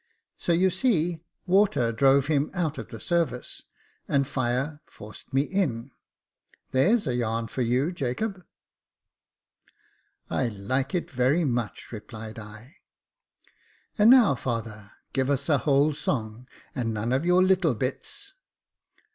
So you see, tuater drove him out of the service, and Jire forced me in. There's a yarn for you, Jacob." " I hke it very much," replied I. And now, father, give us a whole song, and none of your little bits."